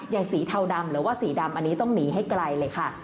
สีเทาดำหรือว่าสีดำอันนี้ต้องหนีให้ไกลเลยค่ะ